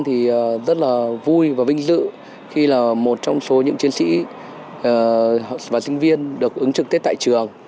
thì rất là vui và vinh dự khi là một trong số những chiến sĩ và sinh viên được ứng trực tết tại trường